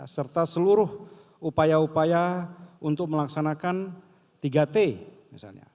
serta seluruh upaya upaya untuk melaksanakan tiga t misalnya